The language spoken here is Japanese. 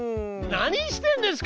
何してんですか？